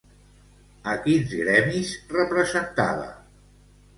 A quins gremis representava?